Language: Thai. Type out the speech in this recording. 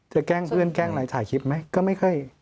แกล้งเพื่อนแกล้งอะไรถ่ายคลิปไหมก็ไม่ค่อย